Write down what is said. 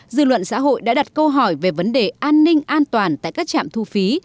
dư luận xã hội đã đặt câu hỏi về vấn đề an ninh an toàn tại các trạm thu phí